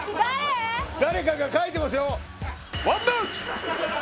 誰かが書いてますよ！